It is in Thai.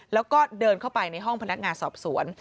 แล้วก็เดินเข้าไปในห้องพนักงานสอบสวน